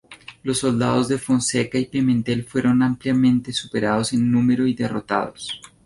Los soldados de Fonseca y Pimentel fueron ampliamente superados en número y derrotados.